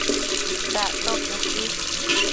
Dactoquioshi